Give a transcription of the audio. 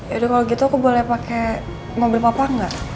yaudah kalau gitu aku boleh pakai mobil papa nggak